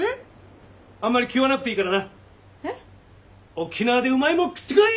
沖縄でうまいもん食ってこい！